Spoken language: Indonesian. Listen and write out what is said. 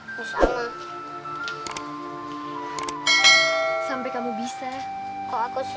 dosa deh sudah tahu kan